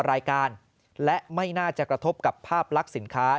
รายการและไม่น่าจะกระทบกับภาพลักษณ์สินค้า